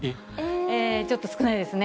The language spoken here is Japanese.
ちょっと少ないですね。